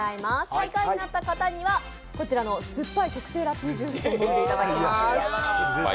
最下位になった方にはこちらの酸っぱい特製ラッピージュースを飲んでいただきます。